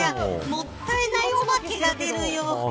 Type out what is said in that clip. もったいないお化けが出るよ。